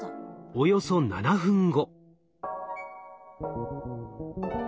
およそ７分後。